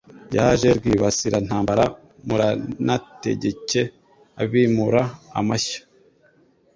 Yaje RwibasirantambaraMuranategeke abimura amashyo